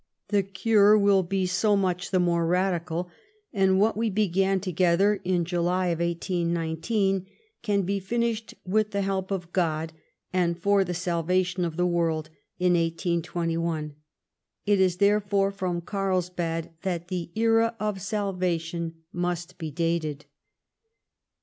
The cure will be so much the more radical; and what we began together in July, 1819, can be finished with tlie help of God and for the salvation of the world in 1821. It is therefore from Carlsbad that the Era of Salvation must be dated."